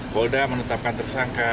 polda menetapkan tersangka